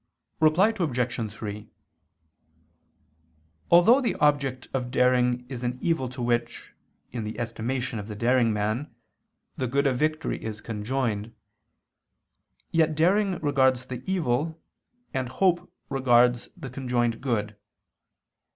Reply Obj. 3: Although the object of daring is an evil to which, in the estimation of the daring man, the good of victory is conjoined; yet daring regards the evil, and hope regards the conjoined good.